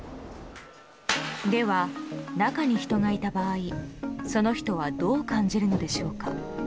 では中に人がいた場合その人はどう感じるのでしょうか。